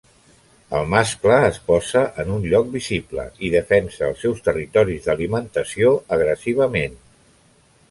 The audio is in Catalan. El mascle es posa en un lloc visible i defensa els seus territoris d'alimentació agressivament.